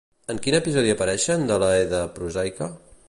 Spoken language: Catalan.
En quin episodi apareixen de la Edda prosaica?